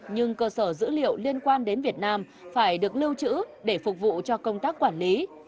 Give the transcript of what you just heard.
nhưng cơ sở dữ liệu liên quan đến việt nam phải được lưu trữ để phục vụ cho công tác quản lý